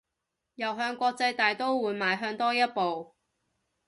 又向國際大刀會邁向多一步